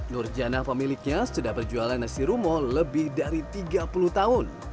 nurjana pemiliknya sudah berjualan nasi rumo lebih dari tiga puluh tahun